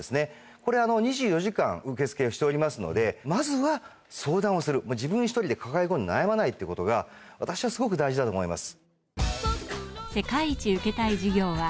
これ２４時間受け付けしておりますのでまずは相談をする自分一人で抱え込んで悩まないってことが私はすごく大事だと思います。